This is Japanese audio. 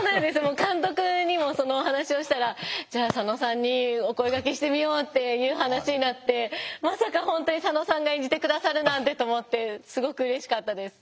監督にもそのお話をしたらじゃあ佐野さんにお声がけしてみようっていう話になってまさか本当に佐野さんが演じて下さるなんてと思ってすごくうれしかったです。